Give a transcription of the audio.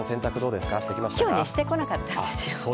今日してこなかったんです。